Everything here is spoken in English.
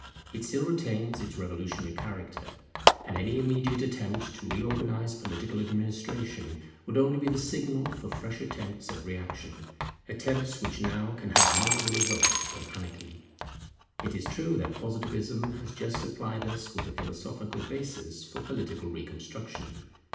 It still retains its revolutionary character; and any immediate attempt to reorganize political administration would only be the signal for fresh attempts at reaction, attempts which now can have no other result than anarchy. It is true that Positivism has just supplied us with a philosophical basis for political reconstruction.